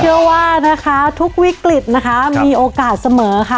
เพราะเชื่อว่าทุกวิกฤตมีโอกาสเสมอ